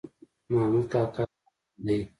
محمود کاکا ظالم دی.